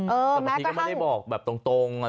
เออแต่ตอนนี้ก็ไม่ได้บอกแบบตรงอะไรอย่างงี้